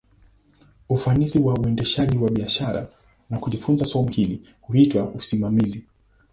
Ufanisi wa uendeshaji wa biashara, na kujifunza somo hili, huitwa usimamizi.